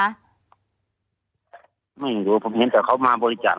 ไม่รู้ผมเห็นแต่เขามาบริจาค